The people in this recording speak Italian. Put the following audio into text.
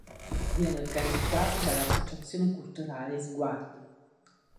Viene organizzato dall'Associazione Culturale "Sguardi".